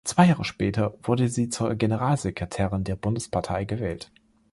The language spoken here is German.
Zwei Jahre später wurde sie zur Generalsekretärin der Bundespartei gewählt.